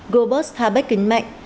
gorbatsk habeck kính mạnh